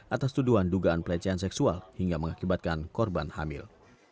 atas tuduhan dugaan pelecehan seksual hingga mengakibatkan korban hamil